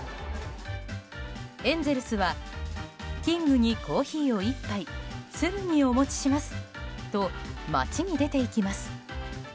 エンゼルスはキングにコーヒーを１杯、すぐにお持ちしますと街に出て行きます。